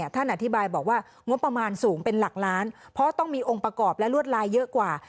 ท่านอธิบายบอกว่างบประมาณสูงเป็นหลักล้านเพราะต้องมีองค์ประกอบและลวดลายเยอะกว่า